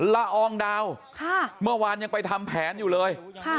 ละอองดาวเมื่อวานยังไปทำแผนอยู่เลย